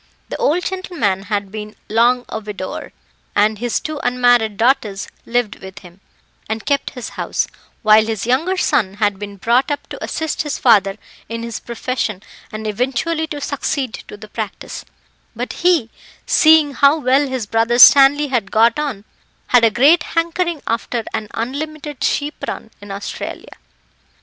The old gentleman had been long a widower, and his two unmarried daughters lived with him, and kept his house, while his younger son had been brought up to assist his father in his profession, and eventually to succeed to the practice, but he, seeing how well his brother Stanley had got on, had a great hankering after an unlimited sheep run in Australia.